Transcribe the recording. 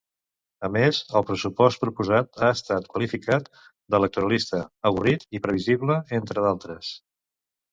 A més, el pressupost proposat ha estat qualificat d'"electoralista", "avorrit" i "previsible", entre d'altres.